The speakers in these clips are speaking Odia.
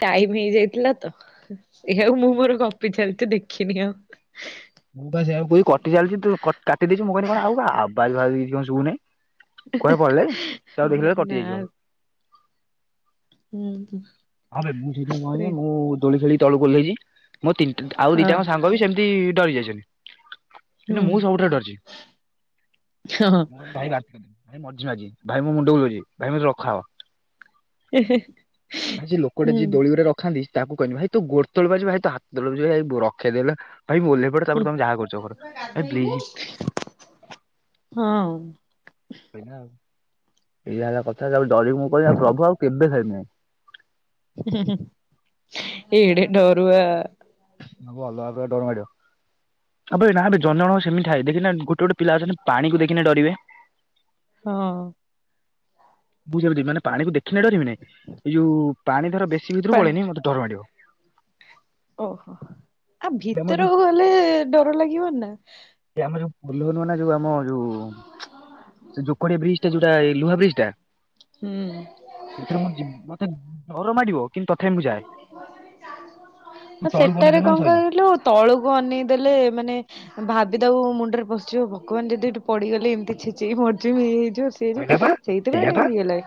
ଟାଇମ ହେଇ ଯାଇଥିଲା ତ ଦେଖିଲା ବେଳକୁ ମୁଁ ମୋର ଗପି ଚାଲି ଦେଖିନି ଆଉ ମୁଁ ବା ସେଇଆକୁ କହୁଛି କଟି ଚାଲିଛି କାଇଁ କିଛି ତ ଶୁଭୁ ନାଇଁ ନା ଯାଇଛି କଲ୍। ହୁଁ। ହଁ ବେ ମୁଁ ସେଇଦିନ କଣ ସେ ହେଇଚି ମୁଁ ଦୋଳି ଖେଳି ତଳକୁ ଓହ୍ଲେଇଚି ମୋ ତିନ ଆଉ ହଁ ଦିଟାକ ସାଙ୍ଗ ବି ସେମିତି ଡରି ଯାଇଛନ୍ତି କିନ୍ତୁ ହୁଁ ମୁଁ ସବୁଠାରୁ ଡରିଚି ହଁ [inaudible] ଭାଇ ଭାଇ ମୁଁ ମରିଯିବି ଆଜି ଭାଇ ମୋ ମୁଣ୍ଡ ବୁଲଉଚି ଭାଇ ମତେ ରଖାଅ। ଏ ହେ। ଆଜି ଲୋକଟା ଯିଏ ଦୋଳିିରେ ରଖାନ୍ତି ତାକୁ କହିଲି ଭାଇ ତୁ ଗୋଡ ତଳେ ପଡୁଚି ଭାଇ ତୋ ହାତ ଧରୁଚି ଭାଇ ରଖେଇଦେଲ। ଭାଇ ମୁଁ ଓହ୍ଲେଇପଡେ ହୁଁ ତାପରେ ତମେ ଯାହା କରୁଚ କର ଭାଇ ପ୍ଲିଜ। ହଁ ସଇଲା ଆଉ ଏଇଆ ହେଲା କଥା ଯାଉଛି ସରି ମୁଁ କହିଲି ପ୍ରଭୁ ଆଉ କେବେ ଖାଇବିନି। [inaudible] ହୁଁ ହୁଁ ଏଡେ ଡରୁଆ। ଭଲ ଭାବରେ ଡର ମାଡିବ ଆବେ ନା ବେ ଜଣ ଜଣଙ୍କର ସେମିତି ଥାଏ ଦେଖିଛୁନା ଗୋଟେ ଗୋଟେ ପିଲା ଅଛନ୍ତି ପାଣିକୁ ଦେଖିନା ଡରିବେ। ହଁ। ବୁ ସେମିତି ମାନେ ପାଣିକୁ ଦେଖ [unintelligible] ଏଇ ଯଉ ପାଣି ଧର ବେଶୀ ପା ଭିତରକୁ ପଳେଇନି ମତେ ଡର ମାଡିବ। ଓହୋ ଆ [inaudible] ତମ ଯୋଉ ଭିତରକୁ ଗଲେ ଡର ଲାଗିବନି ନା [inaudible] ଆମ ଯୋଉ ପୋଲ ନୁଆ ନା ଯୋଉ ଆମ ସେ ଯୋକଡି ବ୍ରିଜ ଟା ଯୋଉଟା ନୁହା ବ୍ରିଜ ଟା ହୁଁ [inaudible] ସତରେ ମ ଜିମ୍ ମତେ ଡର ମାଡିବ କିନ୍ତୁ ତଥାପି ମୁଁ ଯାଏ। [inaudible] ମୁଁ ତଳକୁ ସେଟାରେ ଅନେଇଦେବି ମାନେ କଣ ସଇଲା। କହିଲୁ ତଳକୁ ଅନେଇ ଦେଲେ ମାନେ ଭାବିଦବୁ ମୁଣ୍ଡରେ ପଶିଯିବ ଭଗବାନ ଯଦି ଏଠି ପଡିଗଲି ଏମିତି ଛେଚି ହେଇ ମରିଯିବି। ଯୋଉ ସିଏ ଯୋଉ ସଇଲା ପା ସେଇଥିପାଇ ସେଇଆ ପା ଟିକେ ଇଏ ଲାଗେ।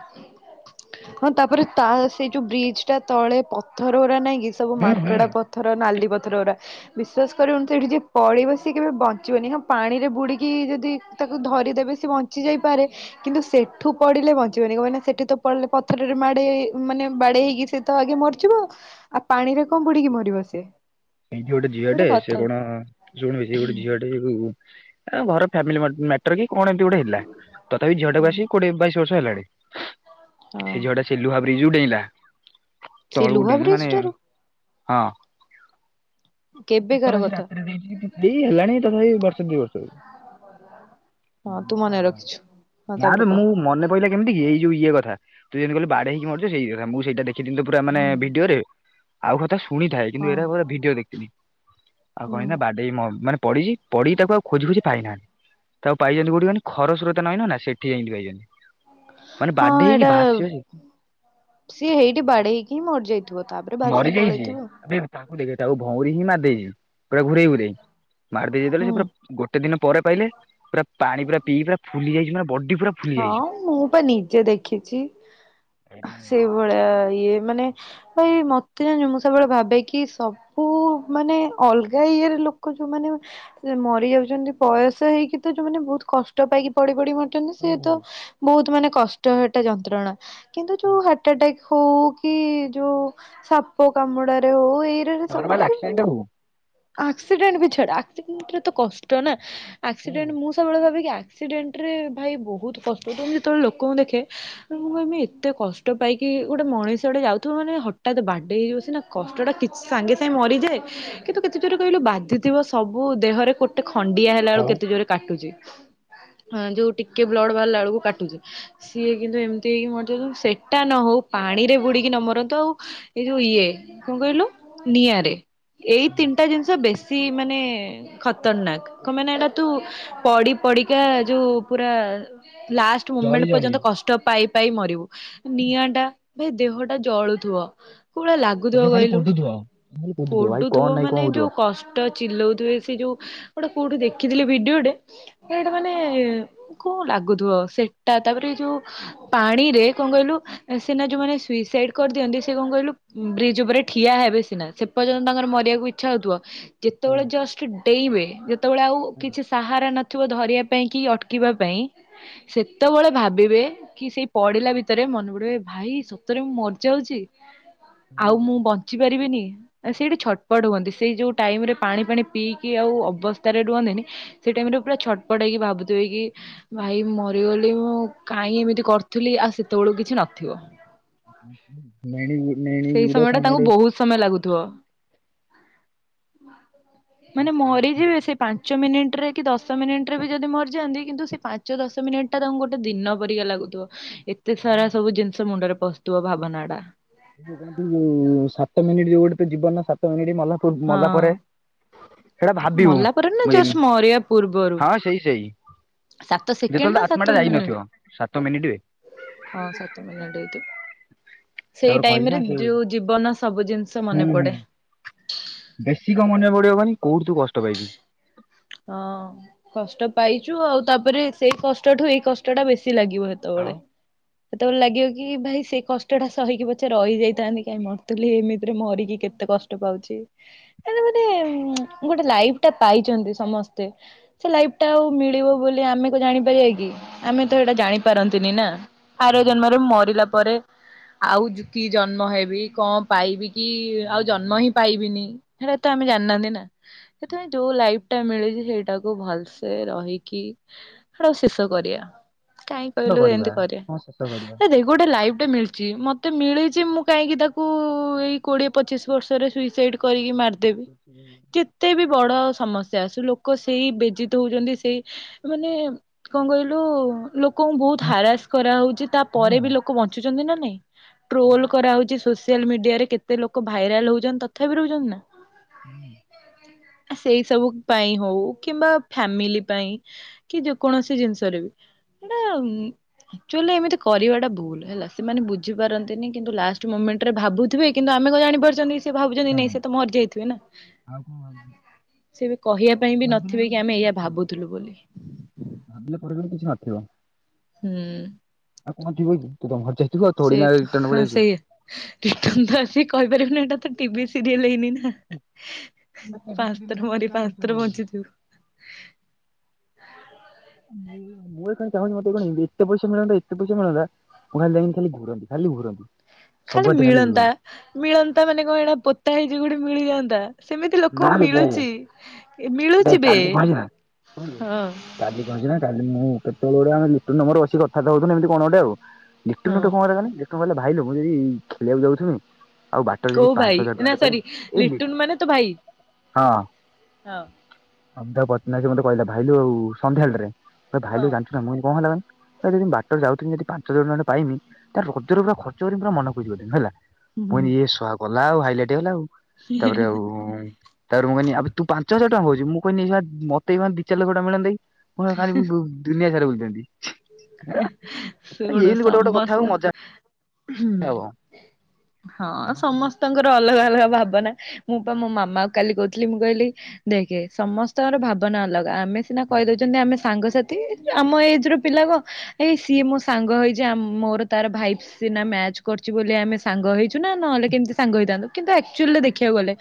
ହଁ ତାପରେ ତା ସେ ଯୋଉ ବ୍ରିଜ ଟା ତଳେ ପଥର ଗରା ନାଇଁକି ଏ ସବୁ ହୁଁ ହୁଁ ମାଙ୍କଡା ପଥର ନାଲି ପ ଥର ଗୁଡା ବିଶ୍ୱାସ କରିବନି ସେଠି ଯିଏ ପଡିବ ସିଏ କେବେ ବଞ୍ଚିବନି ହଁ ପାଣିରେ ବୁଡିକି ଯଦି ତାକୁ ଧରିଦେବେ ସେ ବଞ୍ଚି ଯାଇପାରେ କିନ୍ତୁ ସେଠୁ ପଡିଲେ ବଞ୍ଚିବନି କଣ ପାଇଁ ନାଁ ସେଠି ତ ପଡିଲେ ପଥରରେ ମାଡେଇ ମାନେ ବାଡେଇ ହେଇକି ସେ ତ ଆଗେ ମରିଯିବ ଆଉ ଆଉ ପାଣିରେ କଣ ବୁଡିକି ମରିବ ସେ। ଏଇଟି ଗୋଟେ ଝିଅ ଟେ ସେ କଣ ଶୁଣ ବେ ସିଏ ଗୋଟେ ଝିଅଟେ ଯଉ ତାଙ୍କ ଘର ଫ୍ୟାମିଲି ମ୍ୟାଟର କି କଣ ଏମିତି ଗୋଟେ ହେଇଥିଲା ତଥାପି ଝିଅଟାକୁ ହୁଁ ଆସି କୋଡିଏ, ବାଇଶ ସେ ସାରିଲାଣି। ହଁ ସେ ଝିଅ ଟା ସେ ଲୁହା ବ୍ରିଜରୁ ଡେଇଁଲା ସେଇ ତଳକୁ ଲୁହା ଡେଇଁନି ବ୍ରିଜ ମାନେ ଟାରୁ ହଁ। କେବେକାର କେତେବେଳେ ସେ କଥା ରାତିରେ ଦେଇଛି ଏଇ ହେଲାଣି ତଥାପି ବର୍ଷ ଦି ବର୍ଷ ଉ ହଁ ତୁ ମନେ ରଖିଛୁ ହଁ ନା ତାପରେ ତ କହ ମୁଁ ମନେ ପଇଲା କେମିତି କି ଏଇ ଇଏ କଥା ତୁ ଯେମତି କହିଲୁ ବାଡେଇକି ମାରୁଛ ସେଇ କଥା ମୁଁ ସେଇଟା ଦେଖିଥିଲି ତ ପୁରା ମାନେ ହୁଁ ଭିଡିଓରେ, ଆଉ କଥା ଶୁଣିଥାଏ ହଁ କିନ୍ତ ଏଇଟା ପୁରା ଭିଡିଓ ଦେ ଆଉ କଣ ହୁଁ ନା ବାଡେଇମ ମାନେ ପଡିିଛି ପଢି ତାକୁ ଆଉ ଖୋଜି ଖୋଜି ପାଇନାହାନ୍ତି, ତାକୁ ପାଇଛନ୍ତି କୋଉଠି କହିଲୁ? ଖରସ୍ରୋତା ନଇ ନୁହଁ ନା ସେଠି ଯାଇି ପାଇଛନ୍ତି। ମାନେ ହଁ ବାଡେଇ ହେଇକି ଏଇଟା ଭାସିବ ସେ ସିଏ ହେଇଟି ବାଡେଇ ହେଇକି ହିଁ ମରଯାଇ ଥିବ ତାପରେ ବାଛିକି ପଳେଇଥିବ। ମୁଁ ଦେଖି ତାକୁ ଭଉଁରୀ ହିଁ ମାର ଦେଇଛିି। ପୁରା ଘୁରେଇ ଘୁରେଇ ମାରିଦେଇଛି ଯେତେ ବେଳେ ହୁଁ ସେ ପୁରା ଗୋଟେ ଦିନ ପରେ କହିଲେ। ମାନେ ବଡି ପୁରା ଫୁଲି ଯାଇଛି। ହଁ ମୁଁ ତ ନିଜେ ଦେଖଚି ସେଇଭଳିଆ ତ ଇଏ ମାନେ ଭାଇ ମତେ ଜାନଚୁ ମୁଁ ସବୁବେଳେ ଭାବେ କି ସବୁ ମାନେ ଅଲଗା ଇଏରେ ଲୋକ ଯୋଉମାନେ ମରିଯାଉଚନ୍ତି ବୟସ ତ ହେଇକି ତ ଯଉମାନେ ବହୁତ କଷ୍ଟ ପାଇକି ପଡି ପଡି ମର କିନ୍ତୁ ସେ ତ ବହୁତ ମାନେ କଷ୍ଟ ହେଟା ଯନ୍ତ୍ରଣା। କିନ୍ତୁ ଯୋଉ ହାର୍ଟଟାକ ହଉ କି ଯୋଉ ସାପ କାମୁଡାରେ ହଉ ଏ ନର୍ମାଲ ଆକ୍ସିଡେଣ୍ଟ ଉ। ଆକ୍ସିଡେଣ୍ଟ ବି ଛାଡ ଆକ୍ସିଡେଣ୍ଟ ରେ ତ କଷ୍ଟ ନା ଆକ୍ସିଡେଣ୍ଟ ମୁଁ ସବୁବେଳେ ଭାବେକି ଆ ଆକ୍ସିଡେଣ୍ଟ ରେ ଭାଇ ବହୁତ କଷ୍ଟ ହେଉଥିବ ମୁଁ ଯେତେବେଳେ ଲୋକଙ୍କୁ ଦେଖେ ମୁଁ କହିମି ଏତେ କଷ୍ଟ ପାଇକି ଗୋଟେ ମଣିଷଟେ ଯାଉଥିବ ମାନେ ହଠାତ୍ ବାଡ଼େଇ ହେଇଯିବ ସିନା କଷ୍ଟଟା କିଛ ସାଙ୍ଗେ ସାଙ୍ଗେ ମରିଯାଏ କିନ୍ତୁ କେତେ ଜୋରରେ କହିଲୁ ବାଧିଥିବ ସବୁ ଦେହରେ ଗୋଟେ ଖଣ୍ଡିଆ ହେଲା ଆଉ ବେଳକୁ କେତେ ଜୋରେ କାଟୁଚି। ହଁ ଯୋଉ ଟିକେ ବ୍ଲଡ଼ ବାହାରିଲା ବେଳକୁ କାଟୁଚି, ସିଏ କିନ୍ତୁ ଏମିତି ହେଇକି ମରି ଯାଉଛନ୍ତି ସେଟା ନ ହଉ ପାଣିରେ ବୁଡିକି ନ ମରନ୍ତୁ ଆଉ ଏଇ ଯୋଉ ଇଏ କଁ କହିଲୁ ନିଆଁରେ ଏଇ ତିନଟା ଜିନିଷ ବେଶ୍ ସି ମାନେ ଖତରନାକ କ ମେନେ ହେଲା ତୁ ପଡି ପଡିକା ଯୋଉ ପୁରା ଲାଷ୍ଟ ଜଳି ମୁମେଣ୍ଟ ଜଳି ପର୍ଯ୍ୟନ୍ତ କଷ୍ଟ ପାଇ ପାଇ ମରିବୁ ନିଆଁ ଟା ଭାଇ ଦେହଟା ଜଳୁଥିବ। କୋଉ ଭଳିଆ ଲାଗୁଥିବ ତୋତେ ଖାଲି ପୋଡୁଥିବ ଭାରି ପୋଡୁଥିବ ଭାଇ ତୁ କଣ ନାଇଁ କଣ ମାନେ ହଉଥିବ। ଯୋଉ କଷ୍ଟ ଅ ଚିଲଉଥିବେ ସେ ଯୋଉ ଗୋଟେ କୋଉଠି ଦେଖିଥିଲେ ଭିଡିଓଟେ ସେଇଟା ମାନେ କଣ ଲାଗୁଥିବ ସେଟା ତାପରେ ଏ ଯୋଉ ପାଣି ରେ କଣ କହିଲୁ ସିନା ଯୋଉମାନେ ସୁଇସାଇଡ କରିଦିଅନ୍ତି ସେ କଣ କହିଲୁ ବ୍ରିଜ ଉପରେ ଠିଆ ହେବେ ସିନା ସେ ପର୍ଯ୍ୟନ୍ତ ତାଙ୍କର ମ କରିବାକୁ ଇଚ୍ଛା ହଉଥିବ। ଯେତେବେଳେ ଜଷ୍ଟ ଡେଇଁ ବେ ଜଉ। ସେତେବେଳେ ଆଉ କିଛି ସାହାରା ନ ଥିବ ଧରିବା ପାଇଁ କି ଅଟକିବା ପାଇଁ ସେତେବେଳେ ଭାବିବେ କି ସେଇ ପଡିଲା ଭିତରେ ମନେ ପଡିବ ଭାଇ ସତରେ ମୁଁ ମରିଯାଉଛି ଆଉ ମୁଁ ବଞ୍ଚି ପାରିବିନି ସେଇଠି ଛ ଛଟପଟ ହୁଅନ୍ତି ସେଇ ଯୋଉ ଟାଇମ ରେ ପାଣି ପାଣି ପିଇକି ଆଉ ଅବସ୍ଥାରେ ରୁହନ୍ତିନି ସେ ଟାଇମ ରେ ପୁରା ଛଟପଟ ହେଇକି ଭାବୁଥିବେ କି ଭାଇ ମରିଗଲି ମୁଁ କାହିଁ ଏମିତି କରୁଥିଲି ଆଉ ସେତେବେଳକୁ କିଛି ନଥିବ। ନଣି ସେଇ ସମୟ ଟା ତାଙ୍କୁ ବହୁତ ସମୟ ଲାଗୁଥିବ। [inaudible] ମାନେ ମରିଯିବେ ସେ ପାଞ୍ଚ ମିନିଟ ଟ୍ରେ କି ଦଶ ମିନିଟ ରେ ବି ଯଦି ମରିଯାଆନ୍ତି କିନ୍ତୁ ସେ ପାଞ୍ଚ ଦଶ ମିନିଟ୍ ଟା ତାଙ୍କୁ ଗୋଟେ ଦିନ ପରିକା ଲାଗୁଥିବ। ଏତେ ସାରା ସବୁ ଜିନିଷ ମୁଣ୍ଡରେ ପସ୍ତୁବ ଭାବନା ଟା। କଣ ସାତ ମିନିଟ ଯୋଉ ଗୋଟେ ତ ଯିବନର ସ [unintelligible] ଏଠି ମାଳ ପୂର୍ବ ହଁ ମଲା ପରେ ସେଇଟା ଭାବିବୁ ମଲା ପରେ ନା ଜଷ୍ଟ ମରିବା ପୂର୍ବରୁ ହଁ ସେଇ ସେଇ ସାତ ସେକେଣ୍ଡ ଯେତେବେଳେ ନା ତ ଆତ୍ମା ଟା ସାତ ଯାଇନଥିବ ସାତ ରେ ମିନିଟ ହଁ ସାତ ମିନିଇ ସେଇ ତାପରେ କଣ ହେଇଛି ଟାଇରେ ନା ଯୋଉ ସେ ଜୀବନ ସବୁ ଜିନିଷ ମନେ ହୁଁ ହୁଁ ପଡେ ବେଶୀ କ ମନେ ପଡିବବାନି କୋଉଠି ତୁ କଷ୍ଟ ପାଇଛୁ ହଁ କଷ୍ଟ ପାଇଛୁ ଆଉ ତାପରେ ସେଇ କଷ୍ଟଠୁ ଏଇ କଷ୍ଟ ଟା ବେଶୀ ଲାଗିବ ସେତେବେଳେ ଆଉ ସେତେବେଳେ ଲାଗିବ କି ଭାଇ ସେ କଷ୍ଟଟା ସହିକି ପଛେ ରହିଯାଇଥାନ୍ତି କାଇହିଁ ମରୁଥିଲି ଏମିତିରେ ମରିକି କେତେ କଷ୍ଟ ପାଉଛି କ ମାନେ ଗୋଟେ ଲାଇଫ ଟା ପାଇଛନ୍ତି ସମସ୍ତେ ସେ ଲାଇଫ ଟା ଆଉ ମିଳିବ ବୋଲି ଆମେ ତ ଜାଣିପାରିବା କି? ଆମେ ତ ନା ଏଇଟା ଜାଣିପାରନ୍ତିୁ। ତିନି ନା ଆର ନା ଜନ୍ମରୁ ମରିଲା ପରେ ଆଉ କି ଜନ୍ମ ହେବି କଣ ପାଇବି କି ଆଉ କଣ ଜନ୍ମ ପାଇବୁ? ମୁଁ ହିଁ ପାଇବିନି ହେଡ ଏ ତ ଆମେ ଜନାନ୍ତି ନା। ସେ ତମେ ଯୋଉ ଲାଇଫ ଟା ମିଳିଛି ସେଇଟାକୁ ଭଲସେ ରହିକି ଆଡ ଶେଷ କରିବା। କାଇହିଁ ଶେଷ କହିଲୁ କରିବା ଏମତି ହଁ ଶେଷ ହଁ। କରିବା ଦେଖ ଗୋଟେ ଲାଇଭ ମତେ ମିଳିଛି ମୁଁ କାହିଁକି ତାକୁ ଏଇ କୋଡିଏ ପଚିଶ ବର୍ଷରେ ସୁଇସାଇଡ କରିକି ମାରି ଦେବି ଯେତେ ବି ବଡ ସମସ୍ୟା ଆସୁ ଲୋକ ସେଇ ବେଜିତ ହଉଛନ୍ତି ସେଇ ମାନେ କଣ କହିଲୁ ଲୋ ଲୋକଙ୍କୁ ବହୁତ ହାରାସ କରାହଉଛି ତାପରେ ବି ଆଉ ଲୋକ ବଞ୍ଚୁଛନ୍ତି ନା ନା ନାଇଁ ଟ୍ରୋଲ କରାହେଉଛି ସ ସୋସିଆଲ ମିଡିଆରେ କେତେ ଲୋକ ଭାଇରାଲ ହେଉଛନ୍ତି ତଥାପି ରହୁଛନ୍ତି ନା ହୁଁ ସେଇ ସବୁ ପାଇଁ ହଉ କିମ୍ବା ଫ୍ୟାମିଲି ପାଇଁ କି, ଯେକୌଣସି ଜିନିଷରେ ବି, ସେଟା ମଁ ଆକ୍ଚୁଆଲି ଏମିତି କରିବାଟା ଭୁଲ ହେଲା। ସେମାନେ ବୁଝିପାରନ୍ତିନି, କିନ୍ତୁ ଲାଷ୍ଟ ମୁମେଣ୍ଟ୍‌ରେ ଭାବୁଥିବେ। କିନ୍ତୁ ଆମେ କଣ ଜାଣିପାରୁଛନ୍ତି? ସେ ଭାବୁଛନ୍ତି ନାଇଁ ସେ ତ ମରିଯାଇଥିବେ ନା ଆଉ କଣ ଭାବୁଛୁ ସେବି କହିବା ପାଇଁ ବି ଭାବିଲା ନଥିବେ ବେଳକୁ କି କିଛି ଆମେ ବି ଏଇଆ ନଥିବ। ଭାବୁଥିଲୁ ବୋଲି ହ [unintelligible] ହୁଁ। ଆଉ କଣ ଯିବ କି ତମ ଘର ଯାଇ [unintelligible] ସେଇ ତ ହଁ ସେଇଆ ରିଟନ୍ ତ ଆସିକି କହିପାରିବୁନି ଏଇଟା ତ ଟିଭି ସିରିୟଲ୍ ହେଇନି ନା ପାଁସ୍ତ୍ର୍ର ମରି ପାଁସ୍ତ୍ର୍ର ବଞ୍ଚିଥିବୁ ଆ [inaudible] ମୁଁ ଏ କଣ ଚାହୁଁଛି, ମତେ କଣ କି ଏତେ ପଇସା ମିଳନ୍ତା ଏତେ ପଇସା ମିଳନ୍ତା, ମୁଁ ଖାଲି ଯାଇି ଖାଲି ଘୁରନ୍ତି ଖାଲି ଘୁରନ୍ତି। ଖାଲି ସବୁଆଡେ ମିଳନ୍ତା, ବୁଲନ୍ତି। ମିଳନ୍ତା ମାନେ କଣ ଏଇଟା ପୋତା ହେଇଛି ଗୁଡେ ମିଳି ଯାଆନ୍ତା ସେମିତି ନା ଲୋକଙ୍କୁ ବେ ଦେଖେ ମିଳୁଛି, ଦେଖେ ମିଳୁଛି ବେ କାଲି କଣ ହେଇଛି ନା ଶୁଣିବେ ହଁ। ପୋଟଳରେ [unintelligible] ଆମେ ମିଟୁନ ମୋର ବସି କଥାବାର୍ତ୍ତା ହଉଥିଲୁ ଏମିତି କଣ ଗୋଟେ ଆଉ ହଁ। ନିଟୁନଟା କମର [unintelligible] କେଜାଣି ତୁ ଭଲ ଭାଇଲୋ ମୁଁ ଯଦି ଖେଳିବାକୁ ଯାଉଛୁନି କୋଉ ଭାଇ ନା ସରି ଲି ଲିଟୁନ ମାନେ ତୋ ଭାଇ ହଁ ଅବଧ ପଦ୍ନାଜୀ ମତେ କହିଲା ଭାଇଲୁ ସନ୍ଧ୍ୟା ବେଳ ଠାରେ ହଁ। ଭାଇଲୁ ଜାଣିଛୁ ନା ମୁଇଁ କଣ ହେଲା। [unintelligible] ଏ ଯଦି ମୁଁ ବାଟରେ ଯାଉଥିବି ଯଦି ପାଞ୍ଚ ହଜାର ଖଣ୍ଡେ ପାଇମି ତାରେ ରଜରେ ପୁରା ଖର୍ଚ୍ଚ କରିି ପୁରା ମନ ଖୁସି କରି ଦେବି ହେଲା। ମଣି ସ ଆ [unintelligible] କଲା ଆଉ ହାଇଲାଇଟ୍ ହେଲା ଆଉ ହେଁ ହେଁ ତାପରେ ଆଉ ହେଁ ତାପରେ ମୁଁ କହିନି ଆବେ ତୁ ପାଞ୍ଚ ହଜାର ଟଙ୍କା କହୁଛୁ ମୁଁ କହିନି ସ ମତେ ଏଖ [unintelligible] ଏଇ ଦି ଚାରି ଲକ୍ଷ ଟଙ୍କା ମିଳନ୍ତାକି [unintelligible] ଖାଲି ମୁଁ ବୁ ଦୁନିଆ ସାରା ବୁଲୁଛି। [inaudible] ଶୁଣୁ ଗୋଟେ ଗୋଟେ କଥା ସମସ୍ତ କୁ ମଜା ହୁଁ। ହବ। ସମସ୍ତଙ୍କର ଅଲଗା। ଭାବନା ମୁଁ ପା ମୋ ମାମା କାଲି କହୁଥିଲି ମୁଁ କହିଲି ଦେଖେ ସମସ୍ତଙ୍କର ଭାବନା ଅଲଗା ଆମେ ସିନା କହିଦଉଛନ୍ତି ଆମେ ସାଙ୍ଗସାଥି ଆମ ଏଜର ପିଲା କଣ ଏଇ ସିଏ ମୋ ସାଙ୍ଗ ହେଇଛି ମୋର ତାର ଭାଇବ ସିନା ମ୍ୟାଚ କରିଛି ବୋଲି ଆମେ ସାଙ୍ଗ ହେଇଛୁ ନା ନହେଲେ କେମିତି ସାଙ୍ଗ ହେଇଥାନ୍ତୁ କିନ୍ତୁ ଏକ୍ଚ୍ୟଆଲ ଦେଖିବାକୁ ଗଲେ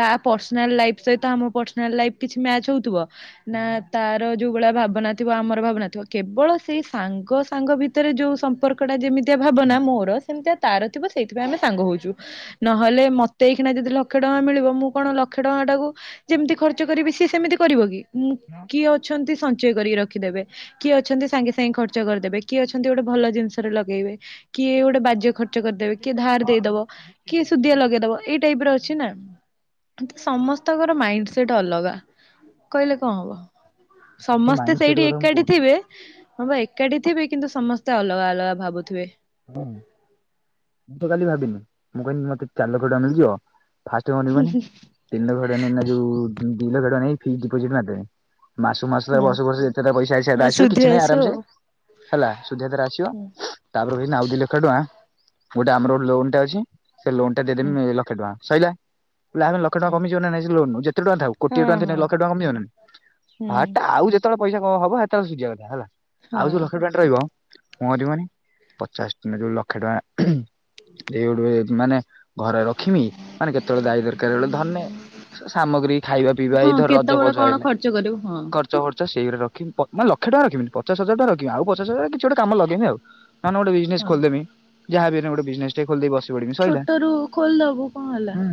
ତା ପର୍ସନାଲ ଲାଇଫ ସହିତ ଆମ ପର୍ସନାଲ ଲାଇଫ କିଛି ମ୍ୟାଚ ହଉଥିବ? ନା ତାର ଯୋଉ ଭଳିଆ ଭାବନା ଥିବ ଆମର ଭାବନା ଥିବ। କେବଳ ସେଇ ସାଙ୍ଗ ସାଙ୍ଗ ଭିତରେ ଯୋଉ ସମ୍ପର୍କ ଆପଣ ଯେମିତିଆ ଭାବନା ମୋର ସେମିତିଆ ତାର ଥିବ ସେଇଥିାଇଁ ଆମେ ସାଙ୍ଗ ହଉଛୁ। ନହେଲେ ମତେ ସେଇଖଣା ଯଦି ଲକ୍ଷେ ଟଙ୍କା ମିଳିବ ମୁଁ କଣ ଲକ୍ଷେ ଟଙ୍କା ଟାକୁ ଯେମିତି ଖର୍ଚ୍ଚ କରିବି ସିଏ ସେମିତି କରିବ କି? ହୁଁ କିଏ ଅଛନ୍ତି ସଞ୍ଚୟ କରି ରଖିଦେବେ। କିଏ ଅଛନ୍ତି ସାଙ୍ଗେ ସାଙ୍ଗେ ଖର୍ଚ କରିଦେବେ କିଏ ଅଛନ୍ତି ଗୋଟେ ଭଲ ଜିନିଷରେ ଲଗେଇବେ କିଏ ଗୋଟେ ବାଜେ ଖର୍ଚ୍ଚ ଖର୍ଚ୍ଚ କରିଦେବେ, କିଏ ଧାର ଦେଇଦବ, କିଏ ଶୁଦ୍ଧିଆ ଲଗେଇଦବ ଏଇ ଟାଇପ ର ଅଛି ନା। କିନ୍ତୁ ସମସ୍ତଙ୍କର ମାଇଣ୍ଡ ସେଟ ଅଲଗା କହିଲେ କଣ ହବ? ତ ସମସ୍ତେ ମାଇଣ୍ଡ ସେଟ୍ ସେଇଠି କଥା ମୁଁ କହୁଛି ଏକାଠି ହଁ ବା ଏକାଠି ଥିବେ କିନ୍ତୁ ସମସ୍ତେ ଅଲଗା ଅଲଗା ଭାବୁଥିବେ ହଁ ମୁଁ ତ କାଲି ଭାବିନି ମୁଁ କହିଲି ମତେ ଚାରି ଲକ୍ଷ ଟଙ୍କା ମିଳିଯିବ। ଫାର୍ଷ୍ଟ କଣ କରିବି କହନି ତିନି ଲକ୍ଷ ଟଙ୍କା ଦେଇକି ନା ଯଉ [unintelligible] ଦି ଲକ୍ଷ ଟଙ୍କା ଆଣି ଫିକ୍ସ ଡିପୋଜିଟ୍ ମାରିଦେ ମାସ କୁ ମାସ ତ ବର୍ଷ ହଁ ବର୍ଷ ଯେତେଟା ପଇସା ଆସିଆ କଥା ଆସିବ ସୁଧି କିଛି ନାହିଁ ଆସିବ ଆରାମସେ ଆଉ। ହେଲା ଶୁଦ୍ଧ ଧୀରେ ଧୀରେ ଆସିବତା ତା ଦେନ୍ ଆଉ ଦି ଲକ୍ଷ ଟଙ୍କା ଗୋଟେ ଆମର ଗୋଟେ ଲୋନ ଟେ ଅଛି। ସେ ଲୋନ୍ ଟା ହୁଁ ଦେଇଦେମି ଲକ୍ଷେ ଟଙ୍କା ସଇଲା। ଆମେ ଲକ୍ଷ ଟଙ୍କା ହୁଁ। ହୁଁ କମିିବ ଯିବ ନା ନାଇଁ ଲୋନ ଯେତେ ଟଙ୍କା ଥାଉ କୋଟିଏ ହଁ ଟଙ୍କା ହଁ। ଲକ୍ଷ ଟଙ୍କା କମଯିବନା ହୁଁ ହାଟା ଆଉ ଯେତଅଳ ପଇସା କଓଁ ହବ ହେତଏଳେ ସୁଝିବା କଥା ହେଲା। ଆଉ ଯୋଉ ହଁ। ଲକ୍ଷେ ଟଙ୍କାଟି ରହିବ [unintelligible] ପଚାଶ ଟଙ୍କା ଯୋଉ ଲକ୍ଷେ ଟଙ୍କା ଏଉଡୁ ଏ [unintelligible] ମାନେ ଘରେ ରଖମି ମାନେ କେତେବେଳେ ଦାୟ ଦରକାର ବେଳେ ଧନେ ସା ସାମଗ୍ରୀ ଖାଇବା ପିଇବା ଏଇ ହଁ ଧର ରଜ କେତେବେଳେ ଫଜ କଣ ହେଲେ ଖର୍ଚ୍ଚ କରିବୁ ହଁ ଖର୍ଚ୍ଚ ଫର୍ଚ ସେଇଗୁଡା ରଖମି ପ ମାନେ ଲକ୍ଷେ ଟଙ୍କା ରଖିବିନି, ପଚାଶ ହଜାର ଟଙ୍କା ରଖିବି ଆଉ ପଚାଶ ହଜାର ଟଙ୍କା କିଛି ଗୋଟେ କାମରେ ଲଗାଇବି ଆଉ ତାନେ ଗୋଟେ ବିଜନେସ୍ ହଁ। ଖୋଲଦେମି। ଯାହା ବି ହେନେ ଗୋଟେ ବିଜନେସ୍ ଟେ ଖୋଲିଦେଇ ବସ ଛୋଟ ରୁ ଖୋଲିଦବୁ କଣ ହେଲା। ହୁଁ।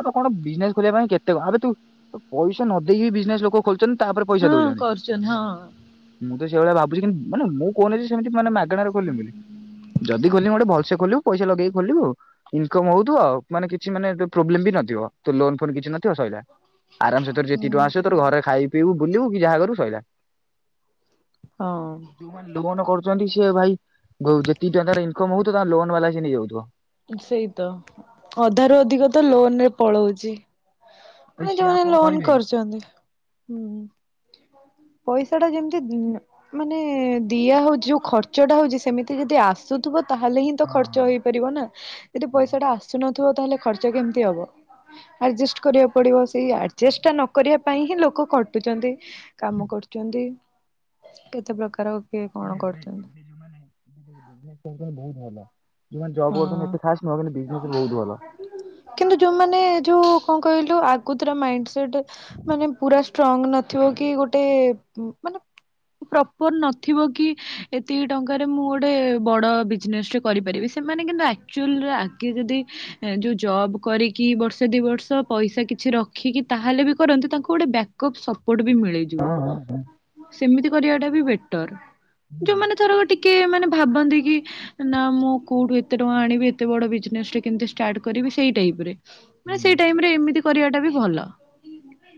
ଆବେ କଣ ବିଜନେସ୍ ଖୋଲିବା ପାଇଁ କେତେ କଣ ଆବେ ତୁ ତୁ ପଇସା ନ ଦେଇକି ବିଜନେସ୍ ଲୋକ ଖୋଲୁଚନ୍ତି। ହଁ କରୁଚନି ହଁ ଯଦି ସେ ଭଳିଆ ଭାବୁଚି କିନ୍ ମାନେ ମୁଁ କହୁନି ଯେ ସେମିତି ମାନେ ମା ମାଗଣାରେ ଖୋଲିମି ବୋଲି ଯଦି ଖୋଲିମି ଗୋଟେ ଭଲସେ ଖୋଲିବୁ ପଇସା ଲଗେଇକି ଖୋଲିବୁ, ଇନକମ୍ ହଉଥୁବ, ଆଉ ମାନେ କିଛି ମାନେ ଯୋଉ ପ୍ରୋବ୍ଲେମ୍ ବି ନଥିବ, ତୋ ଲୋନ୍ ଫୋନ କିଛି ନଥିବ ସଇଲା। ଆରାମସେ ତୋର ଯେତିକି ହୁଁ ଟଙ୍କା ଆସିବ ତୋର ଘରେ ଖାଇ ତୁ ୟୁ ବୁଲିବୁକି ଯାହା କରିବୁ ସଇଲା। ହଁ ଯୋଉ ମାନେ ଲୋନ୍ କର ଜଣ୍ଡିସ ଏ ଭାଇ ଗୋଉ ଯେତିକି ଟଙ୍କାରେ ଇନ୍ କମ ହଉଥୁବ ତାଙ୍କ ଲୋନ୍ ବାଲା ଆସିକି ନେଇଯାଉଥୁବ। ସେଇତ ଅଧାରୁୁ ଅଧିକ ତ ଲୋନ୍ ରେ ପଳଉଚି। ଭାଇ ମାନେ ସିଏ ଆଉ ଯୋଉମାନେ କଣ ଲୋନ୍ କରିବେ କି? କରିଚନ୍ତି, ହୁଁ ପଇସା ଟା ଯେମିତି ଉଁ, ମାନେ ଦିଆ ହଉଚି ଯୋଉ ଖର୍ଚ୍ଚ ଟା ହଉଚି ସେମିତି ଯଦି ଆସୁଥୁବ ତାହେଲେ ହିଁ ତ ହଁ ଖର୍ଚ୍ଚ ହଁ ହେଇପାରିବ ନା। ଯଦି ହଁ ପଇସା ଟା ଆସୁନ ଥିବ ତାହାଲେ ଖର୍ଚ୍ଚ କେମତି ହବ, ଆଡଜେଷ୍ଟ କରିବାକୁ ପଡିବ ସେଇ ଆଉ ଆଡ଼ଜେଷ୍ଟ ଟା ନ କରିବା ପାଇଁ ହିଁ ଲୋକ ଖଟୁଚନ୍ତି କାମ କରୁଚନ୍ତି। କେତେ ପ୍ରକାର କିଏ କଣ କିନ୍ତୁ ଏବେ କରୁଛନ୍ତି ଏବେ ଯୋଉମାନେ [unintelligible] ବୋହୁତ ଭଲ। ଯୋଉମାନେ ଜବ୍ ହଁ କରୁଛନ୍ତି ଏତେ ଖାସ୍ ନୁହଁ କିନ୍ତୁ ବିଜନେସରେ ବହୁତ ଭଲ। କିନ୍ତୁ ଯୋଉମାନେ ଯୋଉ କଣ କହିଲୁ ଆଗୁ ତୁରା ମାଇଣ୍ଡସ୍ ସେଟ ମାନେ ପୁରା ଷ୍ଟ୍ରଙ୍ଗ ନଥିବ କି ଗୋଟେ ଉଁ, ମାନେ ପ୍ରପର୍ ନଥିବ କି ଏତିକି ଟଙ୍କାରେ ମୁଁ ଗୋଟେ ବଡ ବିଜନେସ୍ ଟେ କରିପାରିବି ସେମାନେ କିନ୍ତୁ ଆକ୍ଚୁଲ ର ଆଗେ ଯଦି ଏ-ଯୋଉ ଜବ୍ କରିକି ବର୍ଷେ ଦି ବର୍ଷ ପଇସା କିଛି ରଖିକି ତାହେଲେ ବି କରନ୍ତୁ ତାଙ୍କୁ ଗୋଟେ ବ୍ୟାକଅପ୍ ସ ଟ ବି ହଁ ମିଳିଯିବ, ହଁ ହଁ। ସେମିତି କରିବାଟା ବି ବେଟର୍। ଯୋଉମାନେ ଥର ଗୋଟେ କିଏ ମାନେ ଭାବନ୍ତି କି ଏ ନା ମୁଁ କୋଉଠୁ ଏତେ ଟଙ୍କା ଆଣିବି ଏତେ ବଡ ବିଜନେସଟେ କେମିତି ଷ୍ଟାର୍ଟ କରିବି ସେଇ ଟାଇପ ରେ। ମାନେ ସେଇ ଟାଇମ ରେ ଏମିତି। କରିବାଟା ବି ଭଲ।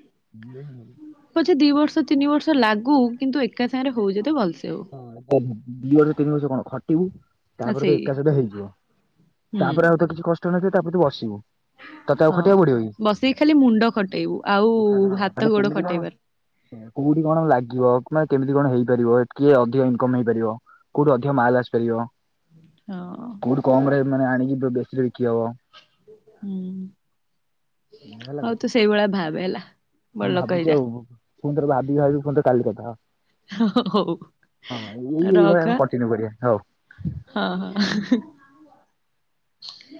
[unintelligible] ଛେ ଦି ବର୍ଷ ତିନି ବର୍ଷ ଲାଗୁ କିନ୍ତୁ ଏକା ସାଙ୍ଗରେ ହଉ ଯଦି ଭଲ ସେ ହଁ ତ ଦି ବର୍ଷ ତିନି ବର୍ଷ କଣ ଖଟିବୁ। ଆ ତାପରେ ତ ସେଇ ଏକାସଇତ ହେଇଯିବ ହୁଁ ତାପରେ ଆଉ ତ କିଛି କଷ୍ଟ [unintelligible] ନଥିବେ ତାପରେ ତୁ ବସିବୁ। ତତେ ଆଉ ହଁ ଖଟିବାକୁ ପଡିବ କି? ବସିକି ଖାଲି ମୁଣ୍ଡ ଖଟେଇବୁ ଆଉ ହାତ ମାନେ ଗୋଡ କେମିତି କଣ ଖଟେଇବାର କୋଉଠି କଣ ଲାଗିବ ମାନେ କେମତି? କଣ ହେଇପାରିବ କିଏ ଅଧିକ ଇନକମ ହେଇପାରିବ କୋଉଠି ଅଧିକ ମାଲ ଆସିପାରିବ ହଁ କୋଉଠି କମରେ ମାନେ ଆଣିକି ବେଶୀରେ ବିକି ହବ ହୁଁ ଇଆ ହେଲା ହଉ କଥା। ତୁ ସେଇଭଳିଆ ଭାବେ ହେଲା ହଁ ବଡ ମୁଁ ଲୋକ ଭାବୁଛି ହେଇଯା ଆଉ ପୁଣି ଥରେ ଭା ଭାବି ବି ପୁଣି ତ କାଲି କାଥା ହବା। ହ ହ ହଉ ହଁ ଏଇ ର ଖ ଏଇଭଳିଆ ଆମେ କଣ୍ଟିନ୍ୟୁ କରିବା ହଉ। ଏଁ ହଁ ହଁ।